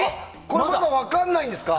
まだ分かんないんですか？